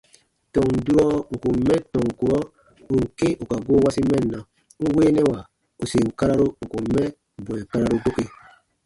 Tɔn durɔ ǹ kun mɛ tɔn kurɔ ù n kĩ ù ka goo wasi mɛnna, n weenɛwa ù sèn kararu ǹ kun mɛ bwɛ̃ɛ kararu doke.